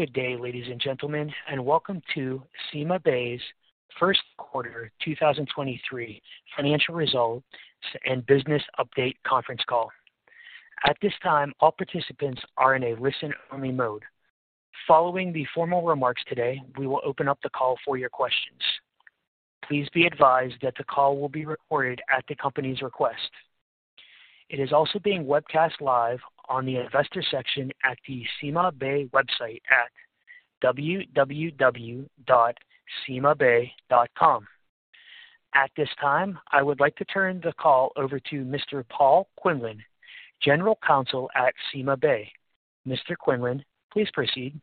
Good day, ladies and gentlemen, welcome to CymaBay's first quarter 2023 financial results and business update conference call. At this time, all participants are in a listen-only mode. Following the formal remarks today, we will open up the call for your questions. Please be advised that the call will be recorded at the company's request. It is also being webcast live on the investor section at the CymaBay website at www.cymabay.com. At this time, I would like to turn the call over to Mr. Paul Quinlan, general counsel at CymaBay. Mr. Quinlan, please proceed.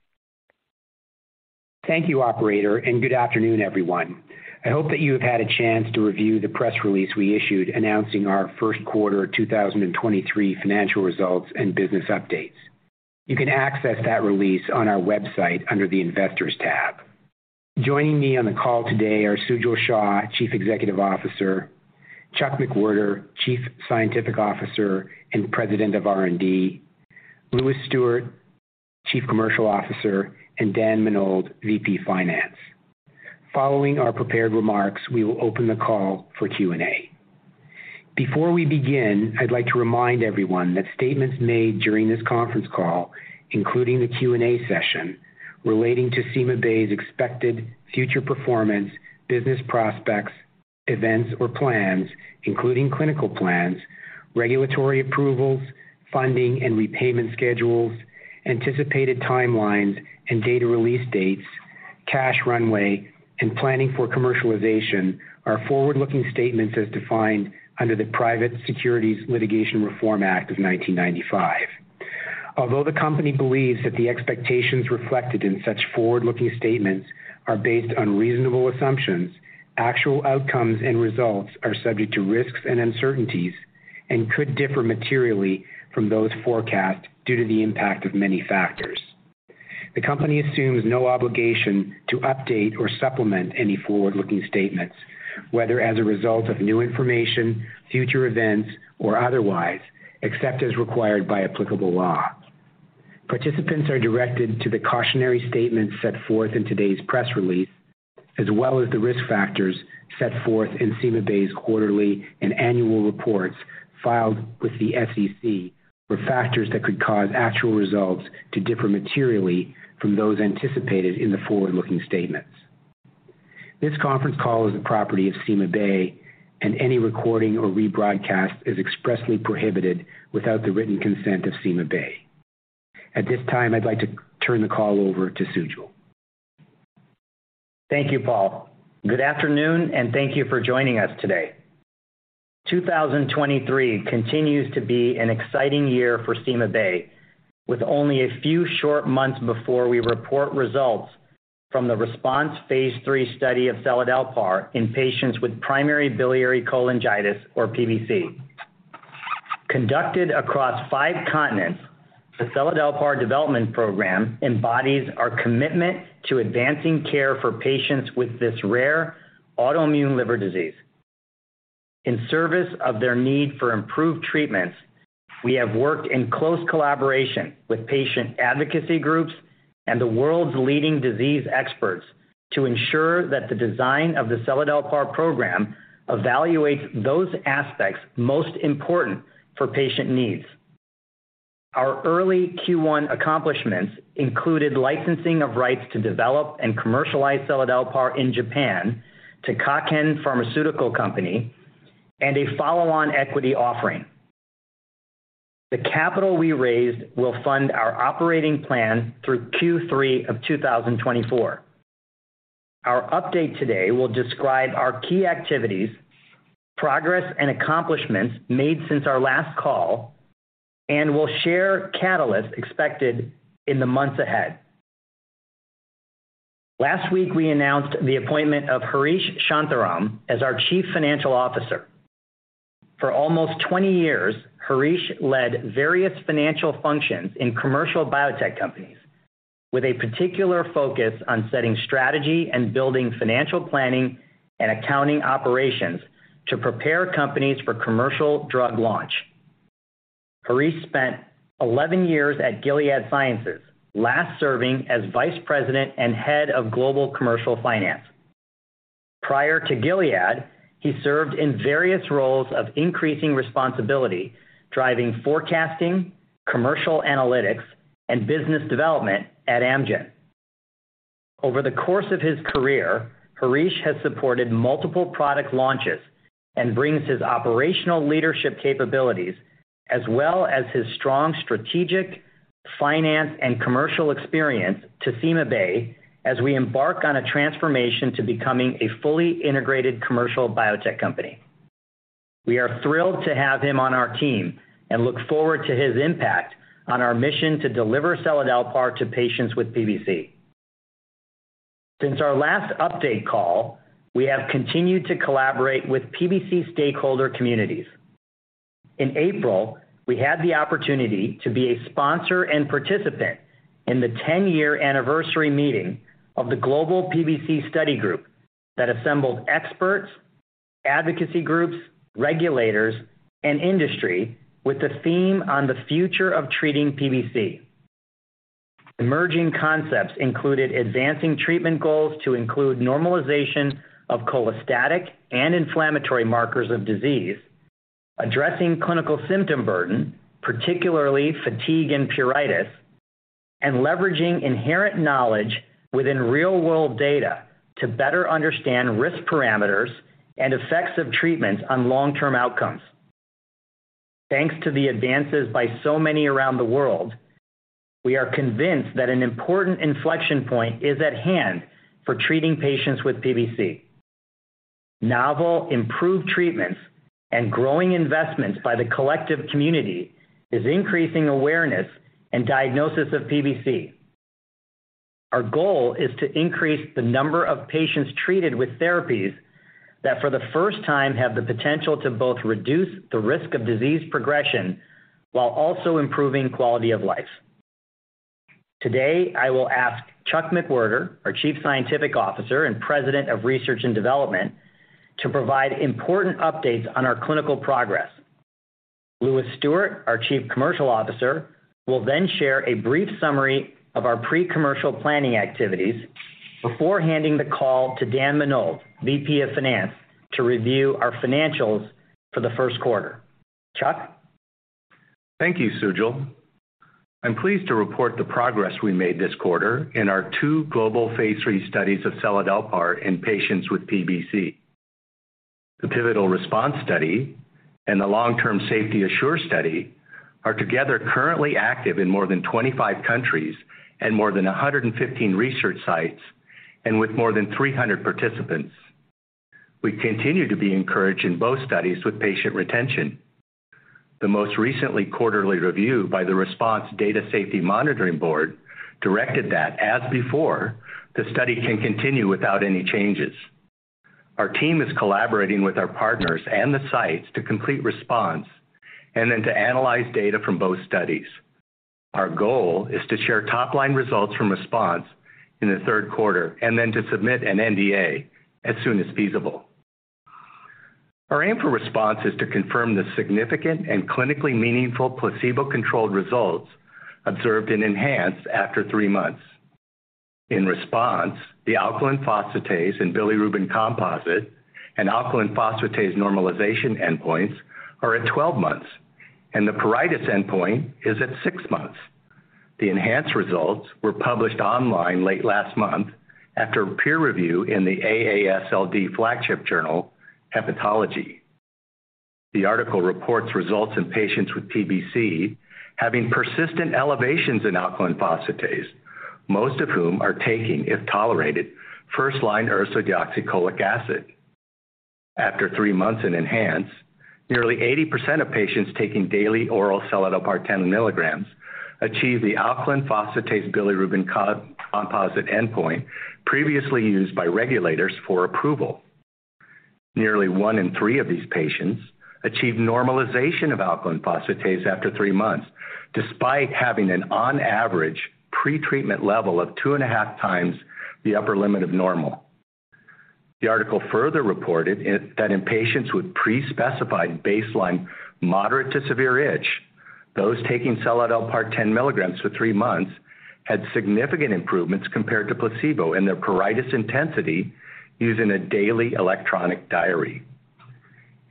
Thank you, operator, and good afternoon, everyone. I hope that you have had a chance to review the press release we issued announcing our first quarter 2023 financial results and business updates. You can access that release on our website under the Investors tab. Joining me on the call today are Sujal Shah, Chief Executive Officer, Chuck McWherter, Chief Scientific Officer and President of R&D, Lewis Stuart, Chief Commercial Officer, and Dan Menold, VP Finance. Following our prepared remarks, we will open the call for Q and A. Before we begin, I'd like to remind everyone that statements made during this conference call, including the Q and A session, relating to CymaBay's expected future performance, business prospects, events or plans, including clinical plans, regulatory approvals, funding and repayment schedules, anticipated timelines and data release dates, cash runway, and planning for commercialization are forward-looking statements as defined under the Private Securities Litigation Reform Act of 1995. Although the company believes that the expectations reflected in such forward-looking statements are based on reasonable assumptions, actual outcomes and results are subject to risks and uncertainties and could differ materially from those forecasts due to the impact of many factors. The company assumes no obligation to update or supplement any forward-looking statements, whether as a result of new information, future events, or otherwise, except as required by applicable law. Participants are directed to the cautionary statements set forth in today's press release, as well as the risk factors set forth in CymaBay's quarterly and annual reports filed with the SEC for factors that could cause actual results to differ materially from those anticipated in the forward-looking statements. This conference call is the property of CymaBay, and any recording or rebroadcast is expressly prohibited without the written consent of CymaBay. At this time, I'd like to turn the call over to Sujal. Thank you, Paul. Good afternoon, thank you for joining us today. 2023 continues to be an exciting year for CymaBay, with only a few short months before we report results from the RESPONSE phase III study of seladelpar in patients with primary biliary cholangitis or PBC. Conducted across five continents, the seladelpar development program embodies our commitment to advancing care for patients with this rare autoimmune liver disease. In service of their need for improved treatments, we have worked in close collaboration with patient advocacy groups and the world's leading disease experts to ensure that the design of the seladelpar program evaluates those aspects most important for patient needs. Our early Q1 accomplishments included licensing of rights to develop and commercialize seladelpar in Japan to Kaken Pharmaceutical Co., Ltd. and a follow-on equity offering. The capital we raised will fund our operating plan through Q3 of 2024. Our update today will describe our key activities, progress, and accomplishments made since our last call and will share catalysts expected in the months ahead. Last week, we announced the appointment of Harish Shantharam as our Chief Financial Officer. For almost 20 years, Harish led various financial functions in commercial biotech companies with a particular focus on setting strategy and building financial planning and accounting operations to prepare companies for commercial drug launch. Harish spent 11 years at Gilead Sciences, last serving as Vice President and Head of Global Commercial Finance. Prior to Gilead, he served in various roles of increasing responsibility, driving forecasting, commercial analytics, and business development at Amgen. Over the course of his career, Harish has supported multiple product launches and brings his operational leadership capabilities as well as his strong strategic, finance, and commercial experience to CymaBay as we embark on a transformation to becoming a fully integrated commercial biotech company. We are thrilled to have him on our team and look forward to his impact on our mission to deliver seladelpar to patients with PBC. Since our last update call, we have continued to collaborate with PBC stakeholder communities. In April, we had the opportunity to be a sponsor and participant in the 10-year anniversary meeting of the Global PBC Study Group that assembled experts, Advocacy groups, regulators, and industry with the theme on the future of treating PBC. Emerging concepts included advancing treatment goals to include normalization of cholestatic and inflammatory markers of disease, addressing clinical symptom burden, particularly fatigue and pruritus, and leveraging inherent knowledge within real-world data to better understand risk parameters and effects of treatments on long-term outcomes. Thanks to the advances by so many around the world, we are convinced that an important inflection point is at hand for treating patients with PBC. Novel improved treatments and growing investments by the collective community is increasing awareness and diagnosis of PBC. Our goal is to increase the number of patients treated with therapies that, for the first time, have the potential to both reduce the risk of disease progression while also improving quality of life. Today, I will ask Chuck McWherter, our Chief Scientific Officer and President of Research and Development, to provide important updates on our clinical progress. Lewis Stuart, our Chief Commercial Officer, will then share a brief summary of our pre-commercial planning activities before handing the call to Dan Menold, VP of Finance, to review our financials for the first quarter. Chuck? Thank you, Sujal. I'm pleased to report the progress we made this quarter in our two global phase three studies of seladelpar in patients with PBC. The pivotal RESPONSE study and the long-term safety ASSURE study are together currently active in more than 25 countries and more than 115 research sites, and with more than 300 participants. We continue to be encouraged in both studies with patient retention. The most recently quarterly review by the RESPONSE Data Safety Monitoring Board directed that, as before, the study can continue without any changes. Our team is collaborating with our partners and the sites to complete RESPONSE and then to analyze data from both studies. Our goal is to share top-line results from RESPONSE in the third quarter and then to submit an NDA as soon as feasible. Our aim for RESPONSE is to confirm the significant and clinically meaningful placebo-controlled results observed in ENHANCE after three months. In RESPONSE, the alkaline phosphatase and bilirubin composite and alkaline phosphatase normalization endpoints are at 12 months, and the pruritus endpoint is at six months. The ENHANCE results were published online late last month after peer review in the AASLD flagship journal, Hepatology. The article reports results in patients with PBC having persistent elevations in alkaline phosphatase, most of whom are taking, if tolerated, first-line ursodeoxycholic acid. After three months in ENHANCE, nearly 80% of patients taking daily oral seladelpar 10 milligrams achieved the alkaline phosphatase bilirubin composite endpoint previously used by regulators for approval. Nearly one in three of these patients achieved normalization of alkaline phosphatase after three months, despite having an on-average pre-treatment level of 2.5 times the upper limit of normal. The article further reported that in patients with pre-specified baseline moderate to severe itch, those taking seladelpar 10 milligrams for three months had significant improvements compared to placebo in their pruritus intensity using a daily electronic diary.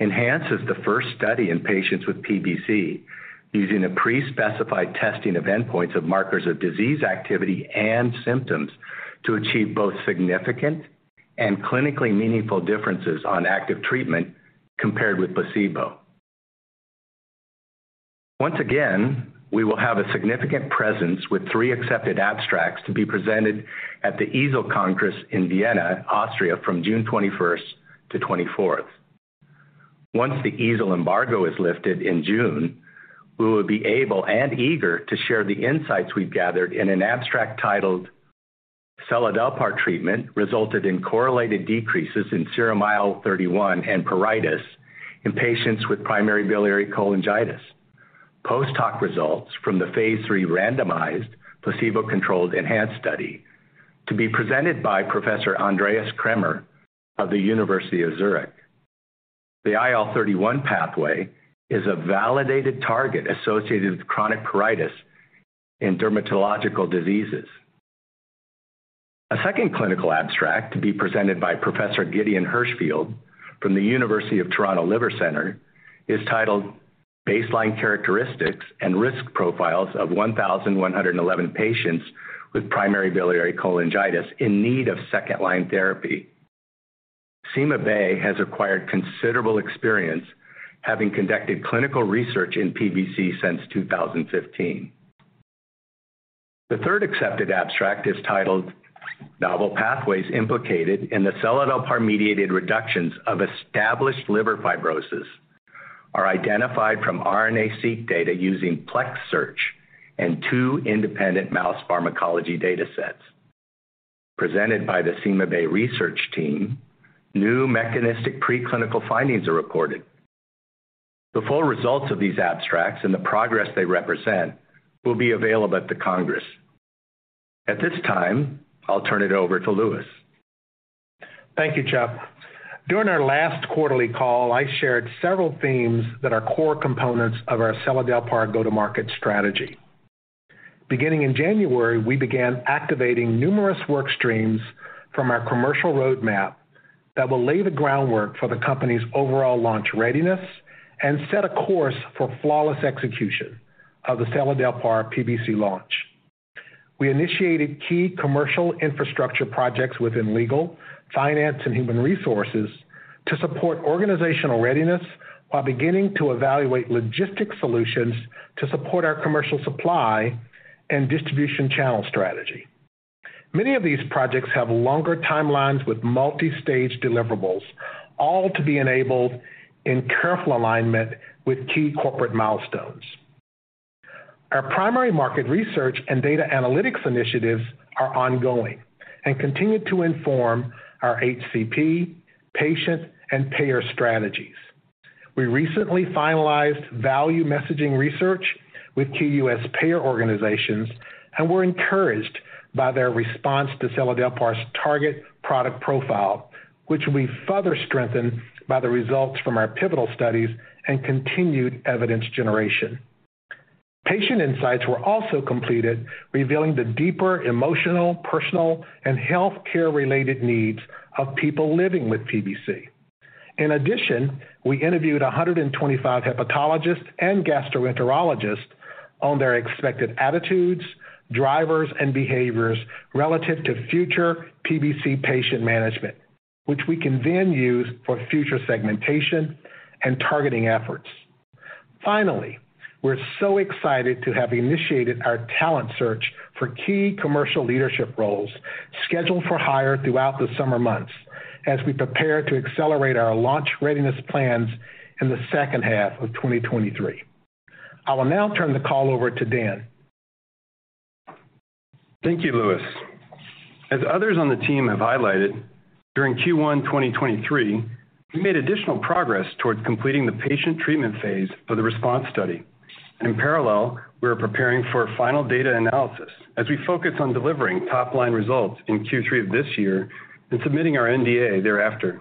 ENHANCE is the first study in patients with PBC using a pre-specified testing of endpoints of markers of disease activity and symptoms to achieve both significant and clinically meaningful differences on active treatment compared with placebo. Once again, we will have a significant presence with three accepted abstracts to be presented at the EASL Congress in Vienna, Austria, from June 21st to 24th. Once the EASL embargo is lifted in June, we will be able and eager to share the insights we've gathered in an abstract titled seladelpar treatment resulted in correlated decreases in serum IL-31 and pruritus in patients with primary biliary cholangitis: Post hoc results from the phase III randomized, placebo-controlled ENHANCE study," to be presented by Professor Andreas Kremer of the University of Zurich. The IL-31 pathway is a validated target associated with chronic pruritus in dermatological diseases. A second clinical abstract to be presented by Professor Gideon Hirschfield from the University of Toronto Liver Center is titled "Baseline characteristics and risk profiles of 1,111 patients with primary biliary cholangitis in need of second-line therapy." CymaBay has acquired considerable experience, having conducted clinical research in PBC since 2015. The third accepted abstract is titled "Novel pathways implicated in the seladelpar-mediated reductions of established liver fibrosis are identified from RNA-Seq data using Plex Search and two independent mouse pharmacology datasets." Presented by the CymaBay research team, new mechanistic preclinical findings are reported. The full results of these abstracts and the progress they represent will be available at the Congress. At this time, I'll turn it over to Lewis. Thank you, Chuck. During our last quarterly call, I shared several themes that are core components of our seladelpar go-to-market strategy. Beginning in January, we began activating numerous work streams from our commercial roadmap that will lay the groundwork for the company's overall launch readiness and set a course for flawless execution of the seladelpar PBC launch. We initiated key commercial infrastructure projects within legal, finance, and human resources to support organizational readiness while beginning to evaluate logistic solutions to support our commercial supply and distribution channel strategy. Many of these projects have longer timelines with multi-stage deliverables, all to be enabled in careful alignment with key corporate milestones. Our primary market research and data analytics initiatives are ongoing and continue to inform our HCP, patient, and payer strategies. We recently finalized value messaging research with key U.S. payer organizations, we're encouraged by their response to seladelpar's target product profile, which we further strengthened by the results from our pivotal studies and continued evidence generation. Patient insights were also completed, revealing the deeper emotional, personal, and healthcare-related needs of people living with PBC. In addition, we interviewed 125 hepatologists and gastroenterologists on their expected attitudes, drivers, and behaviors relative to future PBC patient management, which we can then use for future segmentation and targeting efforts. Finally, we're so excited to have initiated our talent search for key commercial leadership roles scheduled for hire throughout the summer months as we prepare to accelerate our launch readiness plans in the second half of 2023. I will now turn the call over to Dan. Thank you, Lewis. As others on the team have highlighted, during Q1 2023, we made additional progress towards completing the patient treatment phase for the RESPONSE study. In parallel, we are preparing for a final data analysis as we focus on delivering top-line results in Q3 of this year and submitting our NDA thereafter.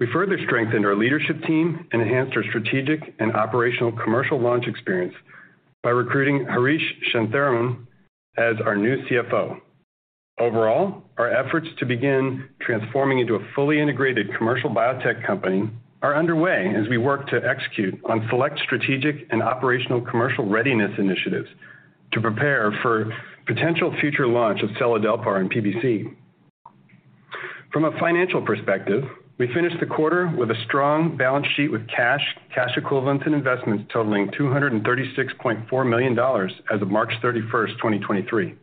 We further strengthened our leadership team and enhanced our strategic and operational commercial launch experience by recruiting Harish Shantharam as our new CFO. Overall, our efforts to begin transforming into a fully integrated commercial biotech company are underway as we work to execute on select strategic and operational commercial readiness initiatives to prepare for potential future launch of seladelpar and PBC. From a financial perspective, we finished the quarter with a strong balance sheet with cash equivalent, and investments totaling $236.4 million as of March 31, 2023.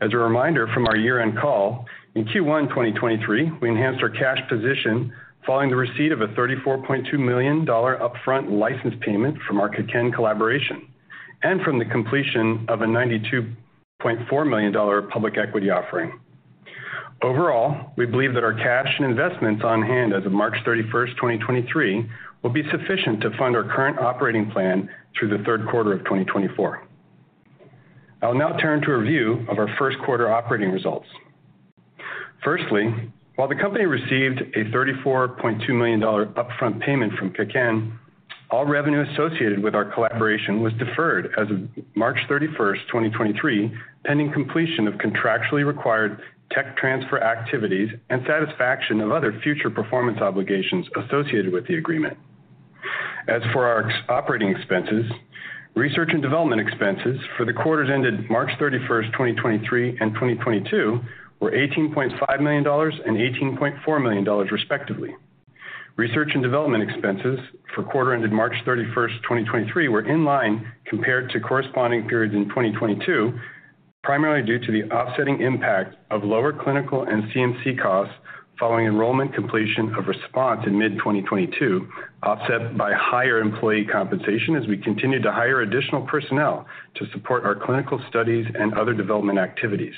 As a reminder from our year-end call, in Q1 2023, we enhanced our cash position following the receipt of a $34.2 million upfront license payment from our Kaken collaboration, and from the completion of a $92.4 million public equity offering. Overall, we believe that our cash and investments on hand as of March 31, 2023, will be sufficient to fund our current operating plan through the third quarter of 2024. While the company received a $34.2 million upfront payment from Kaken, all revenue associated with our collaboration was deferred as of March 31, 2023, pending completion of contractually required tech transfer activities and satisfaction of other future performance obligations associated with the agreement. As for our operating expenses, research and development expenses for the quarters ended March 31st, 2023, and 2022 were $18.5 million and $18.4 million, respectively. Research and development expenses for quarter ended March 31st, 2023, were in line compared to corresponding periods in 2022, primarily due to the offsetting impact of lower clinical and CMC costs following enrollment completion of RESPONSE in mid-2022, offset by higher employee compensation as we continued to hire additional personnel to support our clinical studies and other development activities.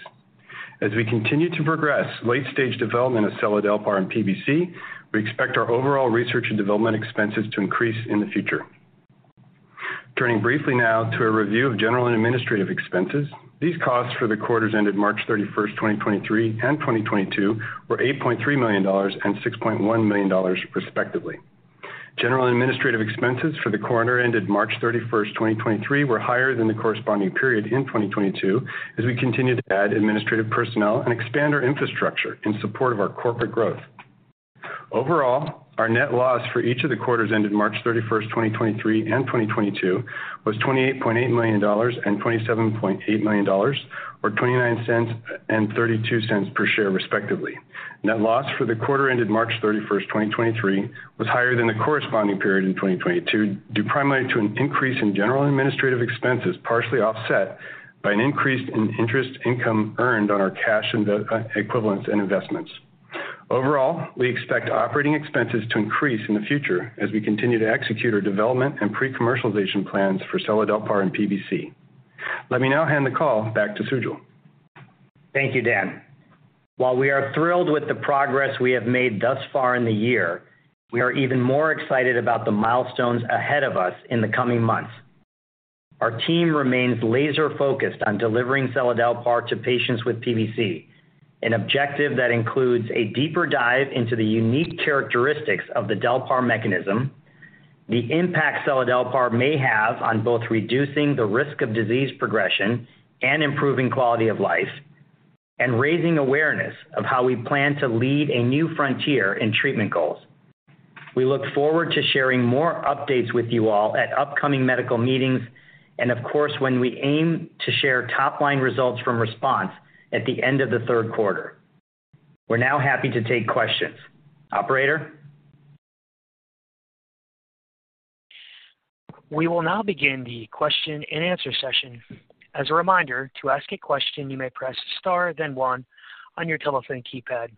As we continue to progress late-stage development of seladelpar and PBC, we expect our overall research and development expenses to increase in the future. Turning briefly now to a review of general and administrative expenses, these costs for the quarters ended March 31st, 2023, and 2022 were $8.3 million and $6.1 million, respectively. General and administrative expenses for the quarter ended March 31st, 2023, were higher than the corresponding period in 2022 as we continued to add administrative personnel and expand our infrastructure in support of our corporate growth. Overall, our net loss for each of the quarters ended March 31st, 2023, and 2022 was $28.8 million and $27.8 million, or $0.29 and $0.32 per share, respectively. Net loss for the quarter ended March 31st, 2023, was higher than the corresponding period in 2022, due primarily to an increase in general and administrative expenses, partially offset by an increase in interest income earned on our cash equivalents and investments. Overall, we expect operating expenses to increase in the future as we continue to execute our development and pre-commercialization plans for seladelpar and PBC. Let me now hand the call back to Sujal. Thank you, Dan. While we are thrilled with the progress we have made thus far in the year, we are even more excited about the milestones ahead of us in the coming months. Our team remains laser-focused on delivering seladelpar to patients with PBC, an objective that includes a deeper dive into the unique characteristics of the seladelpar mechanism, the impact seladelpar may have on both reducing the risk of disease progression and improving quality of life, and raising awareness of how we plan to lead a new frontier in treatment goals. We look forward to sharing more updates with you all at upcoming medical meetings and of course, when we aim to share top-line results from RESPONSE at the end of the third quarter. We're now happy to take questions. Operator? We will now begin the question-and-answer session. As a reminder, to ask a question, you may press star then one on your telephone keypad.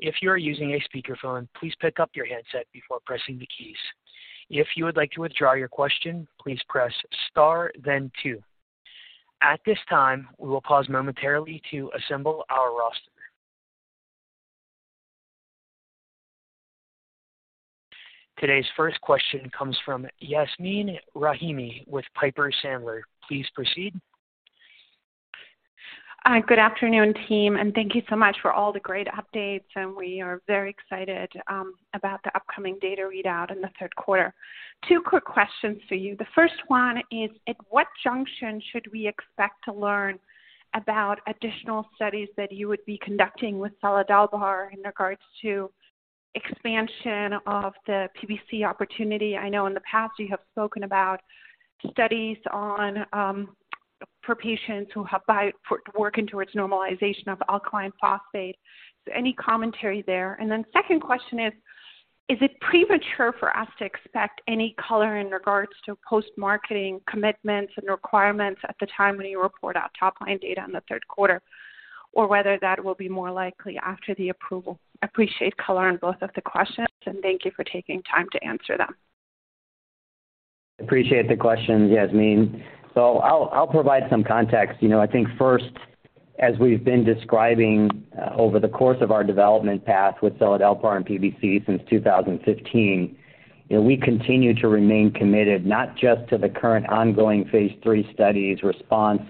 If you are using a speakerphone, please pick up your handset before pressing the keys. If you would like to withdraw your question, please press star then two. At this time, we will pause momentarily to assemble our roster. Today's first question comes from Yasmeen Rahimi with Piper Sandler. Please proceed. Good afternoon, team, thank you so much for all the great updates, we are very excited about the upcoming data readout in the third quarter. Two quick questions for you. The 1st one is, at what junction should we expect to learn about additional studies that you would be conducting with seladelpar in regards to expansion of the PBC opportunity? I know in the past you have spoken about studies on for patients who have for working towards normalization of alkaline phosphatase. Any commentary there? Second question is it premature for us to expect any color in regards to post-marketing commitments and requirements at the time when you report out top line data in the third quarter, or whether that will be more likely after the approval? Appreciate color on both of the questions, and thank you for taking time to answer them. Appreciate the questions, Yasmeen. I'll provide some context. You know, I think first, as we've been describing, over the course of our development path with seladelpar and PBC since 2015, you know, we continue to remain committed not just to the current ongoing phase III studies RESPONSE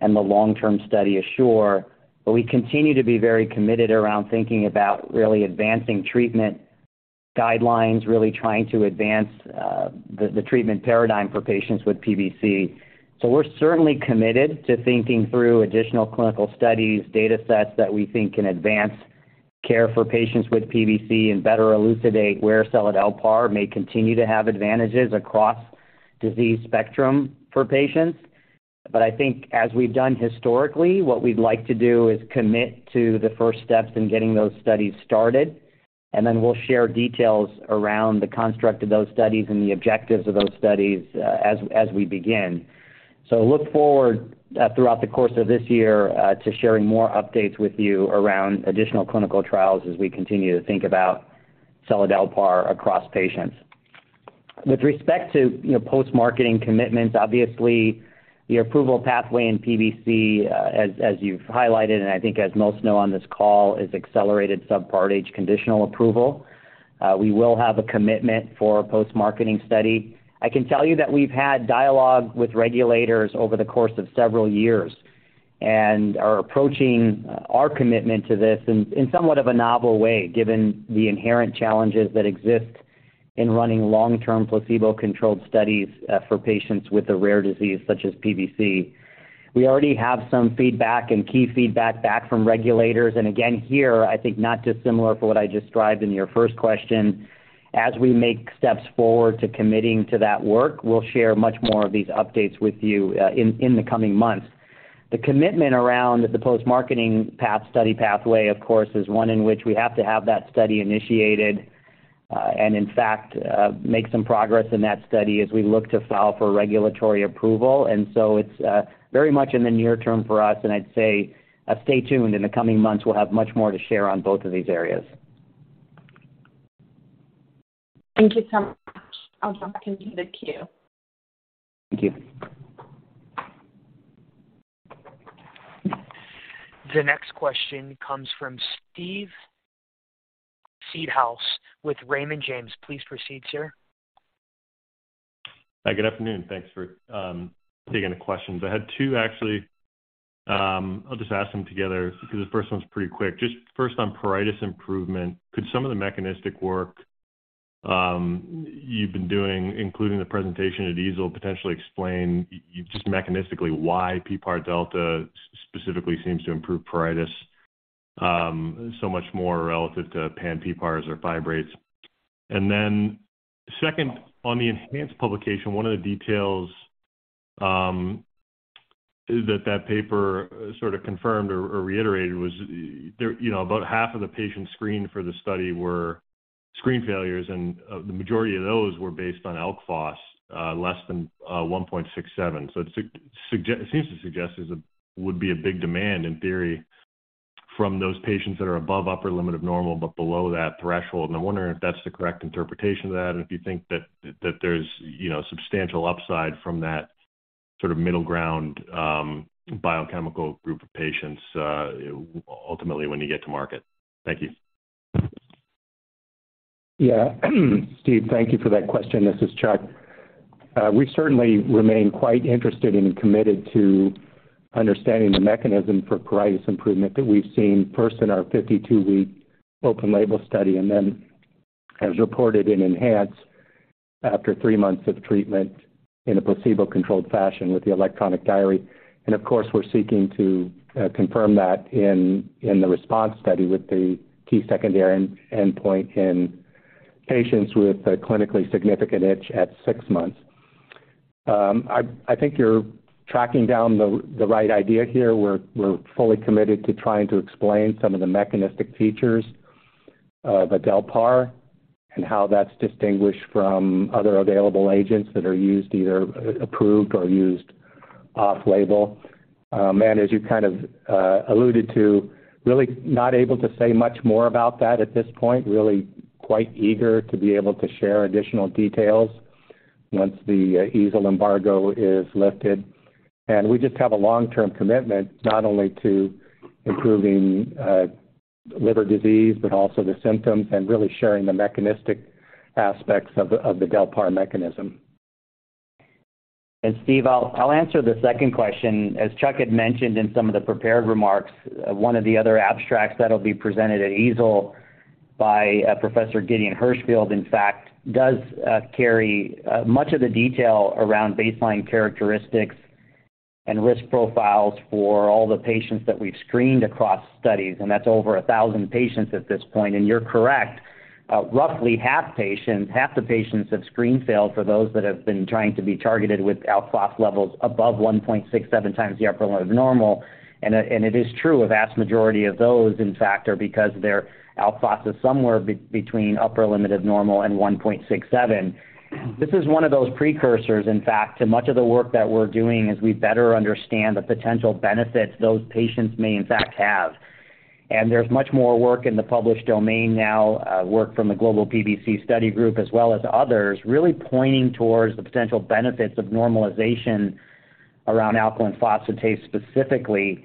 and the long-term study ASSURE, but we continue to be very committed around thinking about really advancing treatment guidelines, really trying to advance the treatment paradigm for patients with PBC. We're certainly committed to thinking through additional clinical studies, datasets that we think can advance care for patients with PBC and better elucidate where seladelpar may continue to have advantages across disease spectrum for patients. I think as we've done historically, what we'd like to do is commit to the first steps in getting those studies started, and then we'll share details around the construct of those studies and the objectives of those studies, as we begin. Look forward throughout the course of this year to sharing more updates with you around additional clinical trials as we continue to think about seladelpar across patients. With respect to, you know, post-marketing commitments, obviously, the approval pathway in PBC, as you've highlighted, and I think as most know on this call, is accelerated Subpart H conditional approval. We will have a commitment for a post-marketing study. I can tell you that we've had dialogue with regulators over the course of several years and are approaching our commitment to this in somewhat of a novel way, given the inherent challenges that exist in running long-term placebo-controlled studies for patients with a rare disease such as PBC. We already have some feedback and key feedback back from regulators. Here, I think not dissimilar from what I described in your first question, as we make steps forward to committing to that work, we'll share much more of these updates with you in the coming months. The commitment around the post-marketing study pathway, of course, is one in which we have to have that study initiated and in fact make some progress in that study as we look to file for regulatory approval. It's very much in the near term for us, and I'd say, stay tuned in the coming months. We'll have much more to share on both of these areas. Thank you so much. I'll drop into the queue. Thank you. The next question comes from Steven Seedhouse with Raymond James. Please proceed, sir. Hi. Good afternoon. Thanks for taking the questions. I had two, actually. I'll just ask them together because the first one's pretty quick. Just first on pruritus improvement, could some of the mechanistic work you've been doing, including the presentation at EASL, potentially explain just mechanistically, why PPAR delta specifically seems to improve pruritus so much more relative to pan-PPARs or fibrates? Second, on the ENHANCE publication, one of the details is that that paper sort of confirmed or reiterated was you know, about half of the patients screened for the study were screen failures, and the majority of those were based on Alk Phos less than 1.67. It seems to suggest would be a big demand in theory from those patients that are above upper limit of normal, but below that threshold. I wonder if that's the correct interpretation of that, and if you think that there's, you know, substantial upside from that sort of middle ground, biochemical group of patients, ultimately when you get to market. Thank you. Yeah. Steven, thank you for that question. This is Chuck. We certainly remain quite interested and committed to understanding the mechanism for pruritus improvement that we've seen first in our 52-week open label study, and then as reported in ENHANCE after three months of treatment in a placebo-controlled fashion with the electronic diary. Of course, we're seeking to confirm that in the RESPONSE study with the key secondary end-endpoint in patients with a clinically significant itch at six months. I think you're tracking down the right idea here. We're fully committed to trying to explain some of the mechanistic features of seladelpar and how that's distinguished from other available agents that are used, either approved or used off-label. As you kind of alluded to, really not able to say much more about that at this point. Really quite eager to be able to share additional details once the EASL embargo is lifted. We just have a long-term commitment, not only to improving liver disease, but also the symptoms, and really sharing the mechanistic aspects of the seladelpar mechanism. Steven Seedhouse, I'll answer the second question. As Charles McWherter had mentioned in some of the prepared remarks, one of the other abstracts that'll be presented at EASL by Professor Gideon Hirschfield, in fact, does carry much of the detail around baseline characteristics and risk profiles for all the patients that we've screened across studies, and that's over 1,000 patients at this point. You're correct, roughly half the patients have screen failed for those that have been trying to be targeted with Alk Phos levels above 1.67 times the upper limit of normal. It is true, a vast majority of those, in fact, are because their Alk Phos is somewhere between upper limit of normal and 1.67. This is one of those precursors, in fact, to much of the work that we're doing as we better understand the potential benefits those patients may in fact have. There's much more work in the published domain now, work from the Global PBC Study Group as well as others, really pointing towards the potential benefits of normalization around alkaline phosphatase, specifically,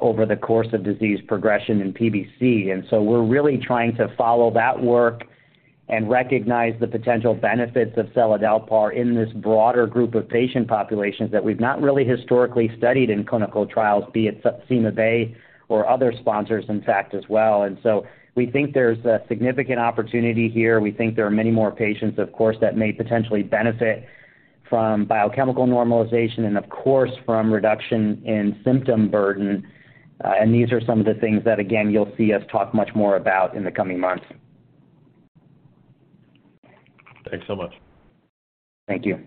over the course of disease progression in PBC. We're really trying to follow that work and recognize the potential benefits of seladelpar in this broader group of patient populations that we've not really historically studied in clinical trials, be it CymaBay or other sponsors in fact as well. We think there's a significant opportunity here. We think there are many more patients, of course, that may potentially benefit from biochemical normalization and of course from reduction in symptom burden. These are some of the things that, again, you'll see us talk much more about in the coming months. Thanks so much. Thank you.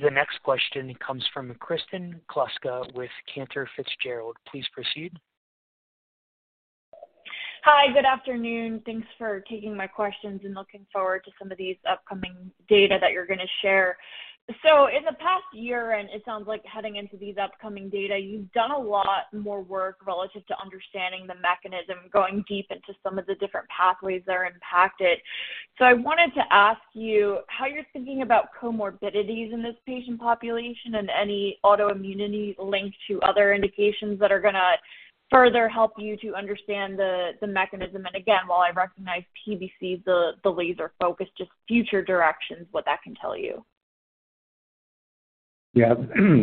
The next question comes from Kristen Kluska with Cantor Fitzgerald. Please proceed. Hi, good afternoon. Thanks for taking my questions and looking forward to some of these upcoming data that you're gonna share. In the past year, and it sounds like heading into these upcoming data, you've done a lot more work relative to understanding the mechanism, going deep into some of the different pathways that are impacted. I wanted to ask you how you're thinking about comorbidities in this patient population and any autoimmunity linked to other indications that are gonna further help you to understand the mechanism. Again, while I recognize PBC is the laser focus, just future directions, what that can tell you. Yeah.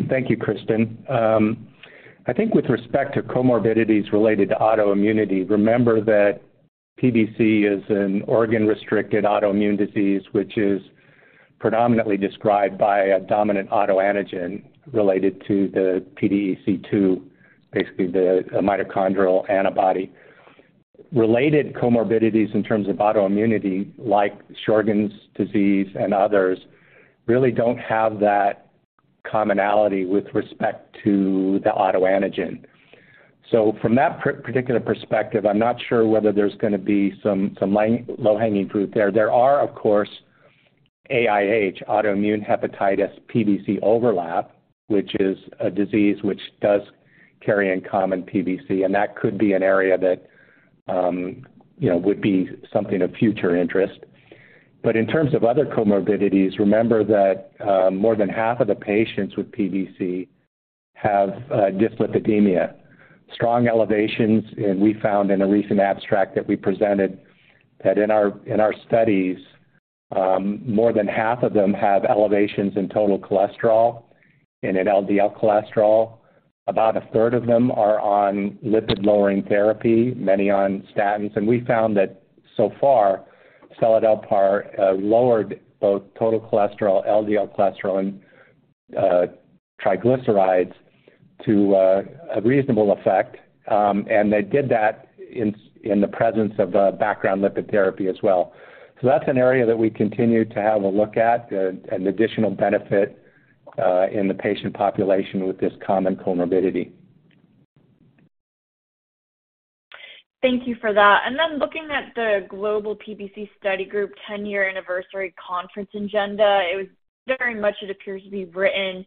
Thank you, Kristen. I think with respect to comorbidities related to autoimmunity, remember that PBC is an organ-restricted autoimmune disease, which is predominantly described by a dominant autoantigen related to the PDC-E2, basically the mitochondrial antibody. Related comorbidities in terms of autoimmunity, like Sjögren’s disease and others, really don't have that commonality with respect to the autoantigen. From that particular perspective, I'm not sure whether there's gonna be some low-hanging fruit there. There are, of course, AIH, Autoimmune Hepatitis, PBC overlap, which is a disease which does carry in common PBC, and that could be an area that, you know, would be something of future interest. In terms of other comorbidities, remember that more than half of the patients with PBC have dyslipidemia. Strong elevations. We found in a recent abstract that we presented, that in our, in our studies, more than half of them have elevations in total cholesterol and in LDL cholesterol. About a third of them are on lipid-lowering therapy, many on statins. We found that so far, seladelpar lowered both total cholesterol, LDL cholesterol, and triglycerides to a reasonable effect. They did that in the presence of a background lipid therapy as well. That's an area that we continue to have a look at, an additional benefit, in the patient population with this common comorbidity. Thank you for that. Looking at the Global PBC Study Group 10-year anniversary conference agenda, it was very much it appears to be written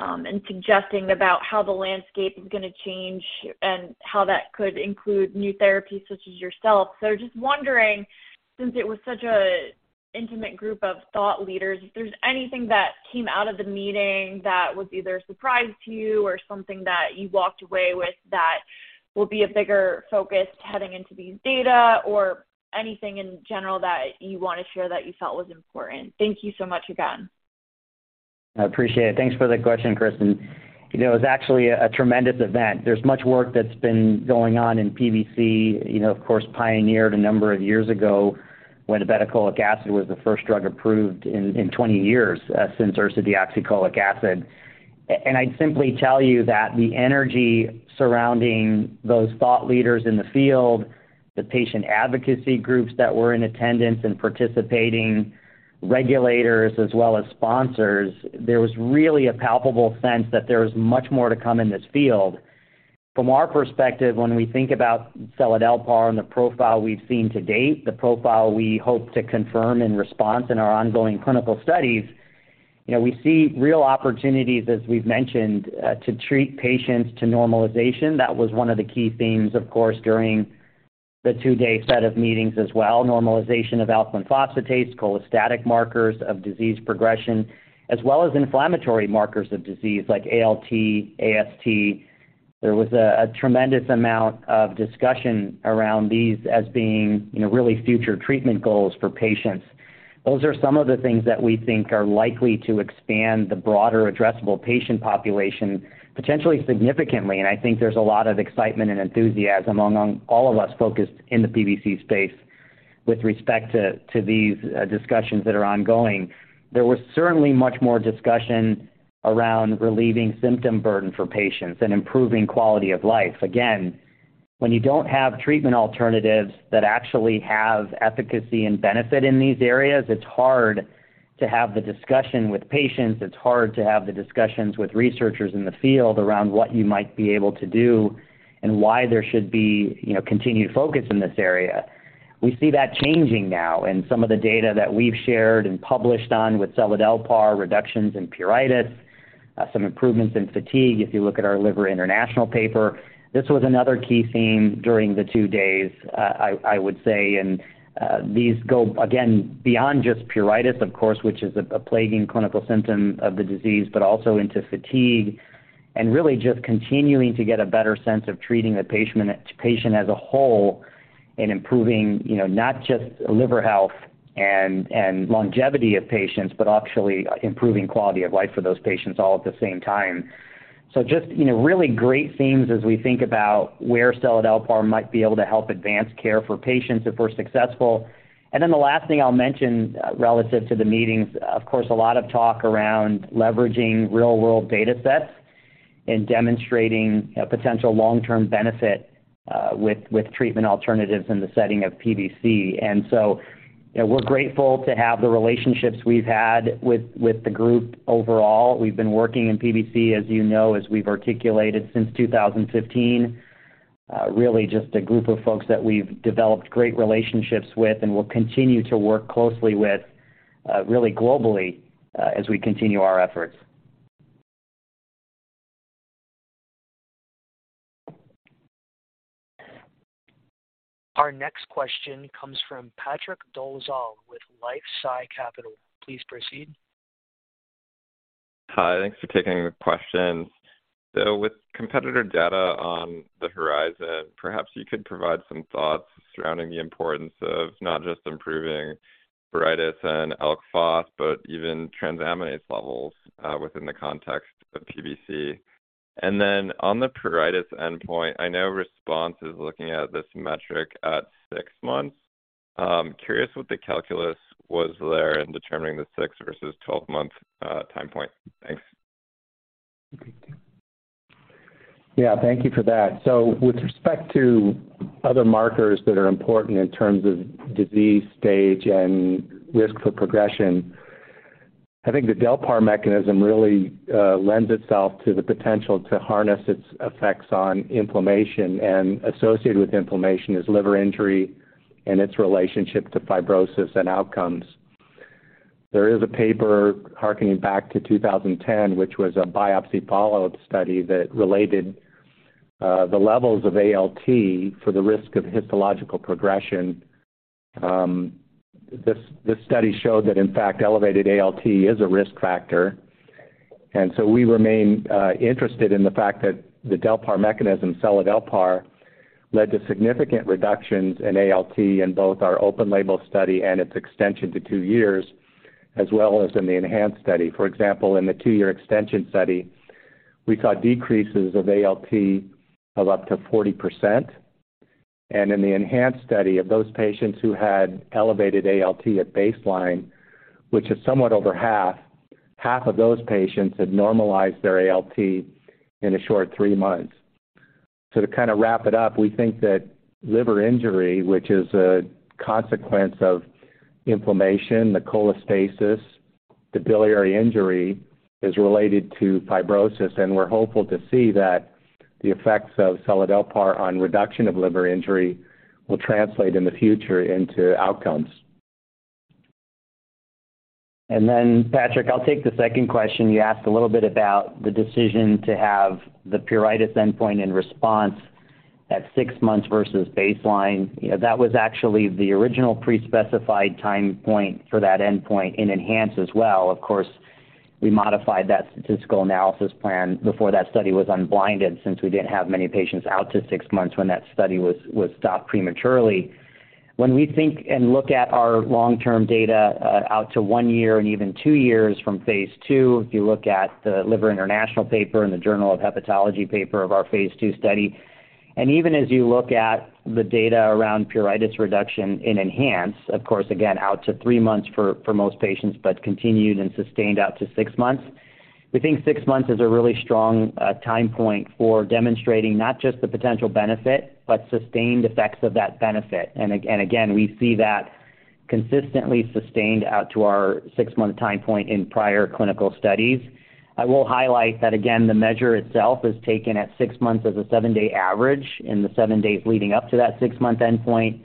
in suggesting about how the landscape is gonna change and how that could include new therapies such as yourself. Just wondering, since it was such a intimate group of thought leaders, if there's anything that came out of the meeting that was either a surprise to you or something that you walked away with that will be a bigger focus heading into these data or anything in general that you wanna share that you felt was important. Thank you so much again. I appreciate it. Thanks for the question, Kristen. You know, it was actually a tremendous event. There's much work that's been going on in PBC, you know, of course, pioneered a number of years ago when obeticholic acid was the first drug approved in 20 years since ursodeoxycholic acid. I'd simply tell you that the energy surrounding those thought leaders in the field, the patient advocacy groups that were in attendance and participating regulators as well as sponsors, there was really a palpable sense that there is much more to come in this field. From our perspective, when we think about seladelpar and the profile we've seen to date, the profile we hope to confirm in RESPONSE in our ongoing clinical studies, you know, we see real opportunities, as we've mentioned, to treat patients to normalization. That was one of the key themes, of course, during the two-day set of meetings as well, normalization of alkaline phosphatase, cholestatic markers of disease progression, as well as inflammatory markers of disease like ALT, AST. There was a tremendous amount of discussion around these as being, you know, really future treatment goals for patients. Those are some of the things that we think are likely to expand the broader addressable patient population potentially significantly, and I think there's a lot of excitement and enthusiasm among all of us focused in the PBC space with respect to these discussions that are ongoing. There was certainly much more discussion around relieving symptom burden for patients and improving quality of life. When you don't have treatment alternatives that actually have efficacy and benefit in these areas, it's hard to have the discussion with patients, it's hard to have the discussions with researchers in the field around what you might be able to do and why there should be, you know, continued focus in this area. We see that changing now. Some of the data that we've shared and published on with seladelpar, reductions in pruritus, some improvements in fatigue, if you look at our Liver International paper. This was another key theme during the two days, I would say. These go, again, beyond just pruritus, of course, which is a plaguing clinical symptom of the disease, but also into fatigue and really just continuing to get a better sense of treating the patient as a whole and improving, you know, not just liver health and longevity of patients, but actually improving quality of life for those patients all at the same time. Just, you know, really great themes as we think about where seladelpar might be able to help advance care for patients if we're successful. Then the last thing I'll mention relative to the meetings, of course, a lot of talk around leveraging real-world data sets and demonstrating a potential long-term benefit with treatment alternatives in the setting of PBC. So, you know, we're grateful to have the relationships we've had with the group overall. We've been working in PBC, as you know, as we've articulated since 2015. really just a group of folks that we've developed great relationships with and will continue to work closely with, really globally, as we continue our efforts. Our next question comes from Patrick Dolezal with LifeSci Capital. Please proceed. Hi. Thanks for taking the questions. With competitor data on the horizon, perhaps you could provide some thoughts surrounding the importance of not just improving pruritus and Alk Phos, but even transaminase levels, within the context of PBC. On the pruritus endpoint, I know RESPONSE is looking at this metric at six months. Curious what the calculus was there in determining the six versus 12-month time point. Thanks. Yeah. Thank you for that. With respect to other markers that are important in terms of disease stage and risk for progression, I think the seladelpar mechanism really lends itself to the potential to harness its effects on inflammation, and associated with inflammation is liver injury and its relationship to fibrosis and outcomes. There is a paper harkening back to 2010, which was a biopsy follow-up study that related the levels of ALT for the risk of histological progression. This study showed that in fact elevated ALT is a risk factor. We remain interested in the fact that the seladelpar mechanism, seladelpar, led to significant reductions in ALT in both our open label study and its extension to two years, as well as in the ENHANCE study. For example, in the two-year extension study, we saw decreases of ALT of up to 40%. In the ENHANCE study of those patients who had elevated ALT at baseline, which is somewhat over half of those patients had normalized their ALT in a short three months. To kind of wrap it up, we think that liver injury, which is a consequence of inflammation, the cholestasis The biliary injury is related to fibrosis, and we're hopeful to see that the effects of seladelpar on reduction of liver injury will translate in the future into outcomes. Patrick, I'll take the second question. You asked a little bit about the decision to have the pruritus endpoint in RESPONSE at six months versus baseline. You know, that was actually the original pre-specified time point for that endpoint in ENHANCE as well. Of course, we modified that statistical analysis plan before that study was unblinded, since we didn't have many patients out to 6 months when that study was stopped prematurely. We think and look at our long-term data, out to one year and even two years from phase II, if you look at the Liver International paper and the Journal of Hepatology paper of our phase II study, and even as you look at the data around pruritus reduction in ENHANCE, of course, again, out to three months for most patients, but continued and sustained out to six months, we think six months is a really strong time point for demonstrating not just the potential benefit, but sustained effects of that benefit. Again, we see that consistently sustained out to our six-month time point in prior clinical studies. I will highlight that again, the measure itself is taken at six months as a seven day average in the seven days leading up to that six month endpoint,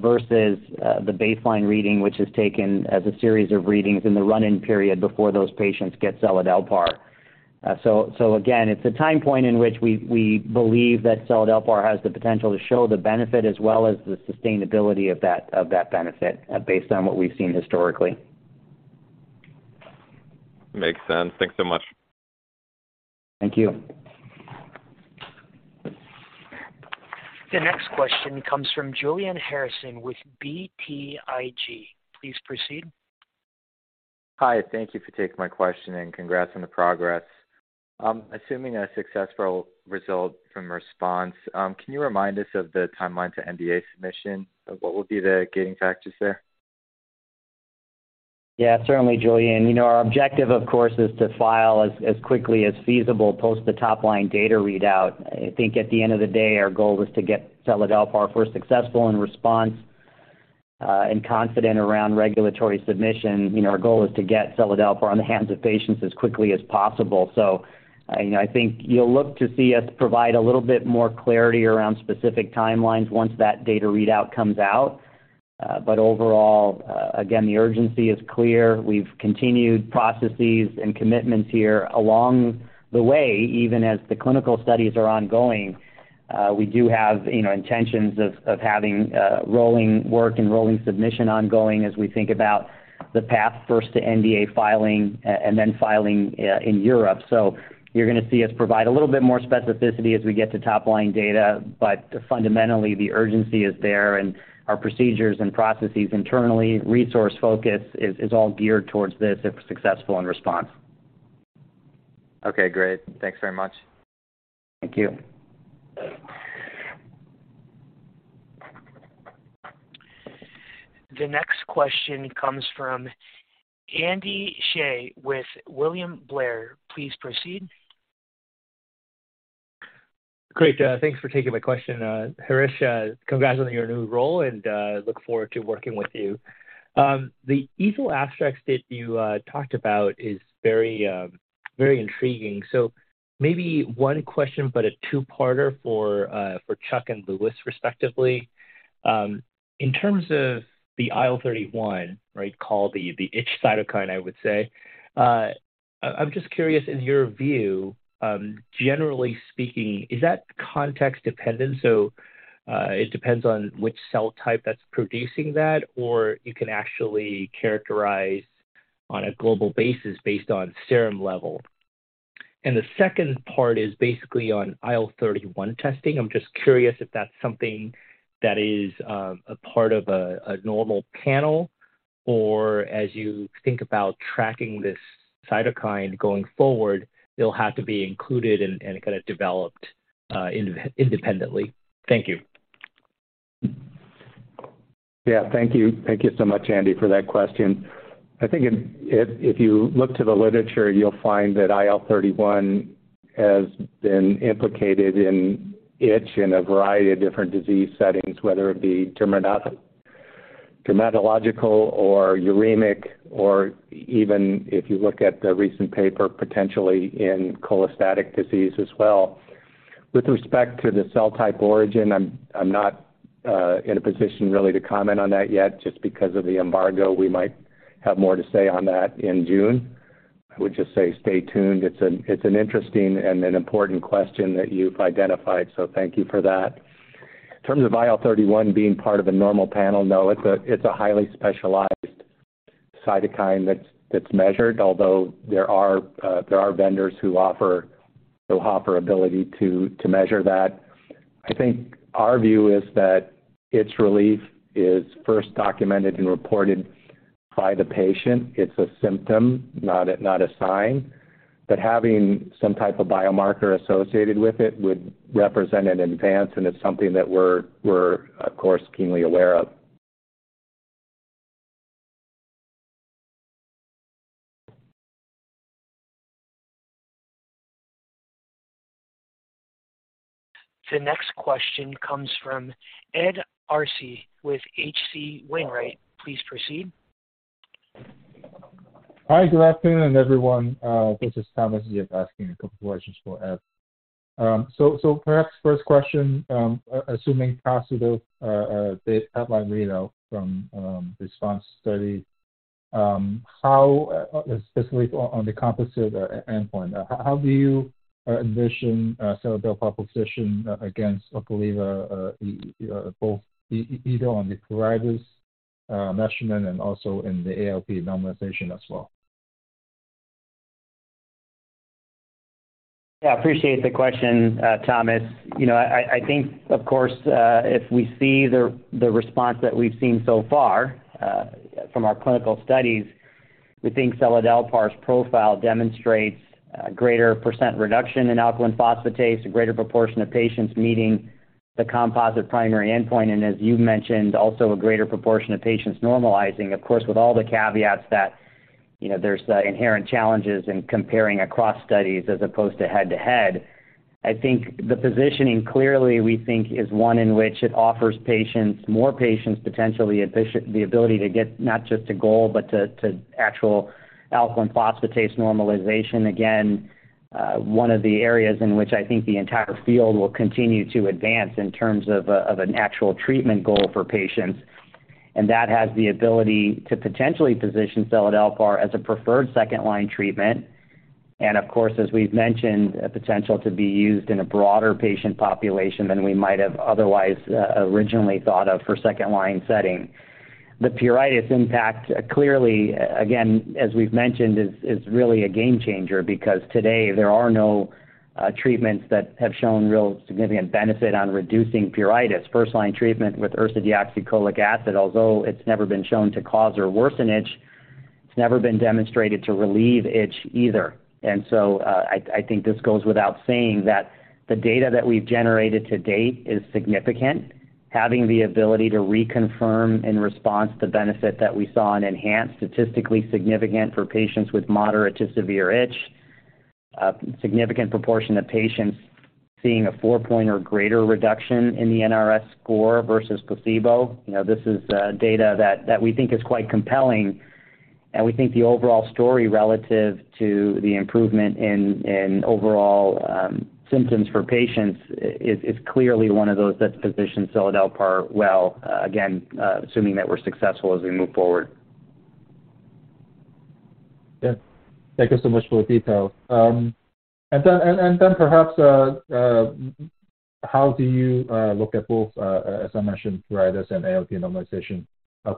versus the baseline reading, which is taken as a series of readings in the run-in period before those patients get seladelpar. Again, it's a time point in which we believe that seladelpar has the potential to show the benefit as well as the sustainability of that benefit, based on what we've seen historically. Makes sense. Thanks so much. Thank you. The next question comes from Julian Harrison with BTIG. Please proceed. Hi, thank you for taking my question. Congrats on the progress. Assuming a successful result from RESPONSE, can you remind us of the timeline to NDA submission? What would be the gating factors there? Yeah, certainly, Julian. You know, our objective, of course, is to file as quickly as feasible post the top-line data readout. I think at the end of the day, our goal is to get seladelpar if we're successful in RESPONSE and confident around regulatory submission. You know, our goal is to get seladelpar in the hands of patients as quickly as possible. You know, I think you'll look to see us provide a little bit more clarity around specific timelines once that data readout comes out. Overall, again, the urgency is clear. We've continued processes and commitments here along the way, even as the clinical studies are ongoing. We do have, you know, intentions of having rolling work and rolling submission ongoing as we think about the path first to NDA filing and then filing in Europe. You're gonna see us provide a little bit more specificity as we get to top-line data. Fundamentally, the urgency is there, and our procedures and processes internally, resource focus is all geared towards this if we're successful in RESPONSE. Okay, great. Thanks very much. Thank you. The next question comes from Andy Hsieh with William Blair. Please proceed. Great. Thanks for taking my question. Harish, congrats on your new role and look forward to working with you. The EASL abstracts that you talked about is very intriguing. Maybe one question, but a two-parter for Chuck and Lewis respectively. In terms of the IL-31, right, called the itch cytokine, I would say, I'm just curious, in your view, generally speaking, is that context-dependent, so, it depends on which cell type that's producing that, or you can actually characterize on a global basis based on serum level? The second part is basically on IL-31 testing. I'm just curious if that's something that is a part of a normal panel, or as you think about tracking this cytokine going forward, it'll have to be included and kind of developed independently. Thank you. Yeah, thank you. Thank you so much, Andy, for that question. I think if you look to the literature, you'll find that IL-31 has been implicated in itch in a variety of different disease settings, whether it be dermatological or uremic or even if you look at the recent paper, potentially in cholestatic disease as well. With respect to the cell type origin, I'm not in a position really to comment on that yet, just because of the embargo. We might have more to say on that in June. I would just say stay tuned. It's an interesting and an important question that you've identified, so thank you for that. In terms of IL-31 being part of a normal panel, no, it's a highly specialized cytokine that's measured, although there are vendors who offer ability to measure that. I think our view is that itch relief is first documented and reported by the patient. It's a symptom, not a sign. Having some type of biomarker associated with it would represent an advance, and it's something that we're, of course, keenly aware of. The next question comes from Ed Arce with H.C. Wainwright. Please proceed. Hi, good afternoon, everyone. This is Thomas. I'm asking a couple questions for Ed. Perhaps first question, assuming positive data outline read out from RESPONSE study, how specifically on the composite e-endpoint, how do you envision seladelpar position against Ocaliva, both either on the pruritus measurement and also in the ALP normalization as well? Appreciate the question, Thomas. You know, I think of course, if we see the response that we've seen so far, from our clinical studies, we think seladelpar's profile demonstrates a greater percetage reduction in alkaline phosphatase, a greater proportion of patients meeting the composite primary endpoint, and as you mentioned, also a greater proportion of patients normalizing. Of course, with all the caveats that, you know, there's the inherent challenges in comparing across studies as opposed to head-to-head. I think the positioning clearly, we think, is one in which it offers patients, more patients, potentially the ability to get not just to goal, but to actual alkaline phosphatase normalization. Again, one of the areas in which I think the entire field will continue to advance in terms of a natural treatment goal for patients. That has the ability to potentially position seladelpar as a preferred second-line treatment. Of course, as we've mentioned, a potential to be used in a broader patient population than we might have otherwise originally thought of for second-line setting. The pruritus impact, clearly, again, as we've mentioned, is really a game changer because today there are no treatments that have shown real significant benefit on reducing pruritus. First-line treatment with ursodeoxycholic acid, although it's never been shown to cause or worsen itch, it's never been demonstrated to relieve itch either. I think this goes without saying that the data that we've generated to date is significant. Having the ability to reconfirm in RESPONSE the benefit that we saw in ENHANCE, statistically significant for patients with moderate to severe itch. A significant proportion of patients seeing a four point or greater reduction in the NRS score versus placebo. You know, this is data that we think is quite compelling, and we think the overall story relative to the improvement in overall symptoms for patients is clearly one of those that positions seladelpar well, again, assuming that we're successful as we move forward. Yeah. Thank you so much for the detail. Perhaps, how do you look at both, as I mentioned, pruritus and ALP normalization,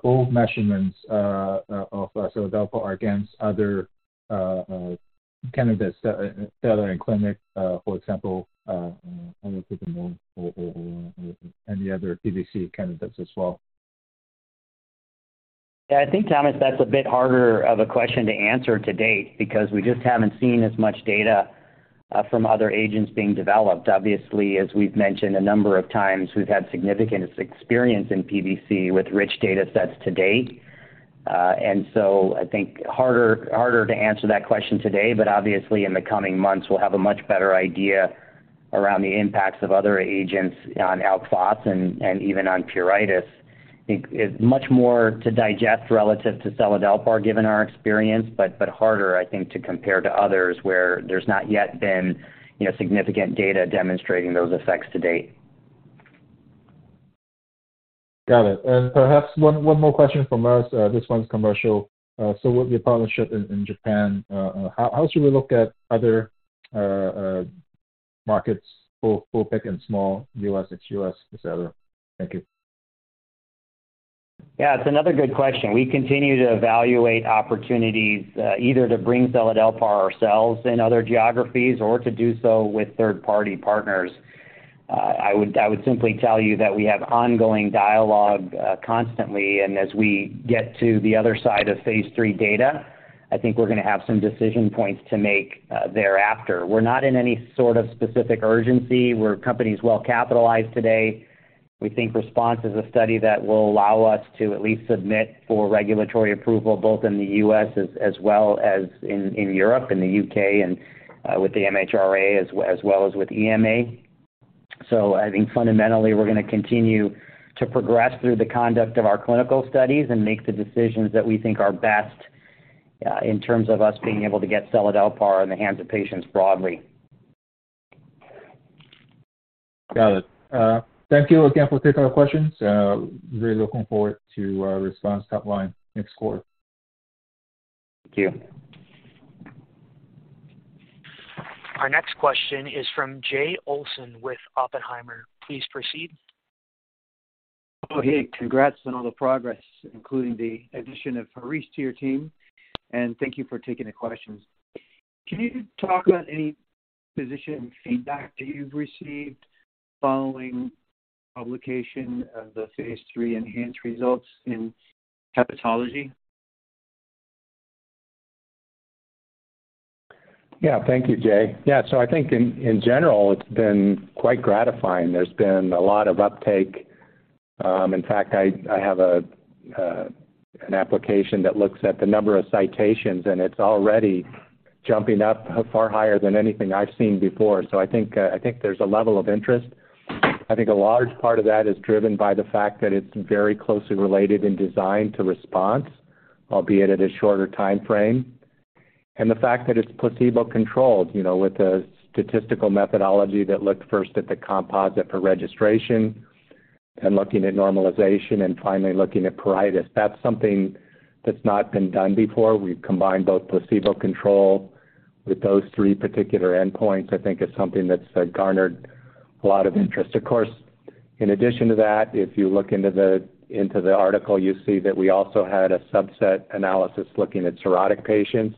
both measurements of seladelpar against other candidates still are in clinic, for example, I don't know if you can name or any other PBC candidates as well? Yeah. I think, Thomas, that's a bit harder of a question to answer to date because we just haven't seen as much data from other agents being developed. Obviously, as we've mentioned a number of times, we've had significant experience in PBC with rich datasets to date. I think harder to answer that question today, but obviously, in the coming months, we'll have a much better idea around the impacts of other agents on Alk Phos and even on pruritus. It is much more to digest relative to seladelpar, given our experience, but harder, I think, to compare to others where there's not yet been, you know, significant data demonstrating those effects to date. Got it. Perhaps one more question from us. This one's commercial. With your partnership in Japan, how should we look at other markets, both big and small, U.S., ex-U.S., et cetera? Thank you. It's another good question. We continue to evaluate opportunities either to bring seladelpar ourselves in other geographies or to do so with third-party partners. I would simply tell you that we have ongoing dialogue constantly, and as we get to the other side of phase III data, I think we're gonna have some decision points to make thereafter. We're not in any sort of specific urgency. We're a company who's well-capitalized today. We think RESPONSE is a study that will allow us to at least submit for regulatory approval, both in the U.S. as well as in Europe, in the U.K., and with the MHRA as well as with EMA. I think fundamentally, we're gonna continue to progress through the conduct of our clinical studies and make the decisions that we think are best, in terms of us being able to get seladelpar in the hands of patients broadly. Got it. Thank you again for taking our questions. Really looking forward to RESPONSE top line next quarter. Thank you. Our next question is from Jay Olson with Oppenheimer. Please proceed. Hey. Congrats on all the progress, including the addition of Harish to your team, and thank you for taking the questions. Can you talk about any physician feedback that you've received following publication of the phase III ENHANCE results in Hepatology? Yeah. Thank you, Jay. I think in general, it's been quite gratifying. There's been a lot of uptake. In fact, I have an application that looks at the number of citations, and it's already jumping up far higher than anything I've seen before. I think there's a level of interest. I think a large part of that is driven by the fact that it's very closely related in design to RESPONSE, albeit at a shorter timeframe. The fact that it's placebo-controlled, you know, with a statistical methodology that looked first at the composite for registration and looking at normalization and finally looking at pruritus. That's something that's not been done before. We've combined both placebo control with those three particular endpoints, I think is something that's garnered a lot of interest. Of course, in addition to that, if you look into the, into the article, you see that we also had a subset analysis looking at cirrhotic patients.